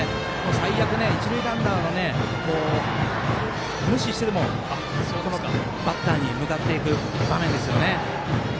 最悪、一塁ランナーを無視してでもバッターに向かっていく場面ですよね。